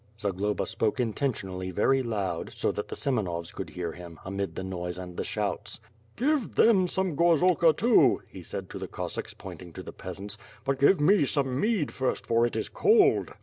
Zagloba spoke intentionally very loud, so that the Sem enovs could hear him, amid the noise and the shouts. "Give them some gorzalka too," he said to the Cossacks pointing to the peasants, "but give me some mead first for it is cold."